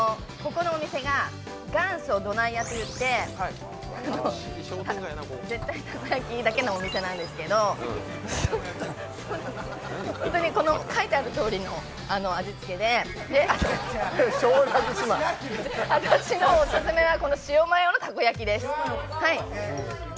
このお店が元祖どないやっていって、絶対たこ焼きだけのお店なんですけど、書いてあるとおりの味付けで、私のオススメは塩マヨたこ焼きです。